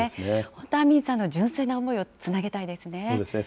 本当、アミンさんの純粋な思いをつなげたいですね。